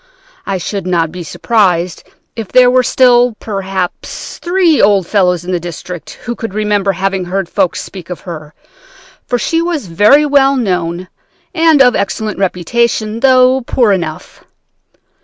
I should not be surprised if there were still, perhaps, three old fellows in the district who could remember having heard folks speak of her, for she was very well known and of excellent reputation, though poor enough.